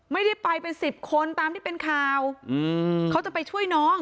ไม่ได้ไปเป็นสิบคนตามที่เป็นข่าวเขาจะไปช่วยน้อง